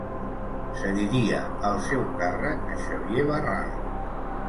Cediria el seu càrrec a Xavier Barral.